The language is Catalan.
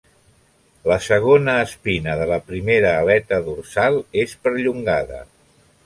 La segona espina de la primera aleta dorsal és perllongada.